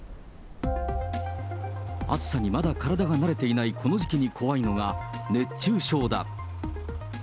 暑さにまだ体が慣れていないこの時期に怖いのが、熱中症だ。